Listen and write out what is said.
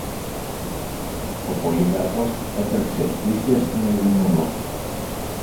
Ο Πολύκαρπος έτρεξε ίσια στην Ειρηνούλα.